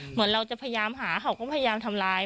เหมือนเราจะพยายามหาเขาก็พยายามทำร้าย